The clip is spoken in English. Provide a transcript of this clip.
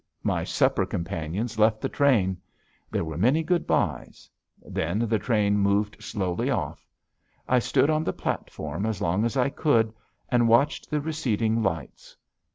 My supper companions left the train. There were many good byes. Then the train moved slowly off. I stood on the platform as long as I could and watched the receding lights.